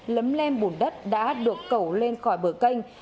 lấm lem bùn đất đã được cẩu lên khỏi bờ canh